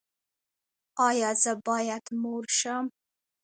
ایا زه باید مور شم؟